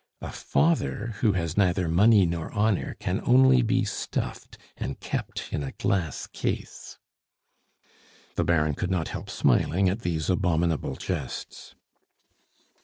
A father who has neither money nor honor can only be stuffed and kept in a glass case." The Baron could not help smiling at these abominable jests.